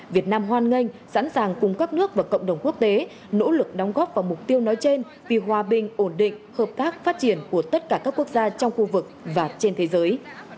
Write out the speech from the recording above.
việt nam hoan nghênh sẵn sàng cùng các nước và cộng đồng quốc tế nỗ lực đóng góp vào mục tiêu nói trên vì hòa bình ổn định hợp tác phát triển của tất cả các quốc gia trong khu vực và trên thế giới